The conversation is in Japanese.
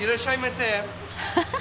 ハハハハ！